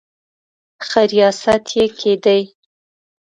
ښه ریاست یې کېدی.